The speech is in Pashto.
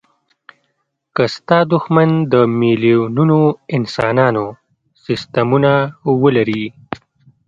که ستا دوښمن د میلیونونو انسانانو سستمونه ولري.